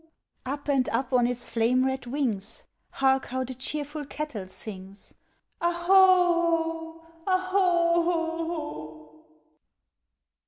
Up and up on its flame red wings; Hark, how the cheerful kettle sings! "O hoho, O hoho o o!"